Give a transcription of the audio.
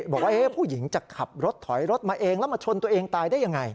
บอกว่าผู้หญิงจะขับรถถอยรถมาเองแล้วมาชนตัวเองตายได้ยังไง